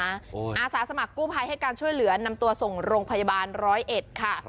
อาสาสมัครกู้ภัยให้การช่วยเหลือนำตัวส่งโรงพยาบาลร้อยเอ็ดค่ะ